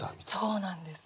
そうなんです。